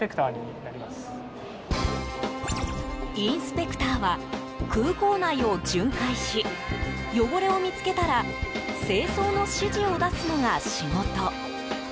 インスペクターは空港内を巡回し汚れを見つけたら清掃の指示を出すのが仕事。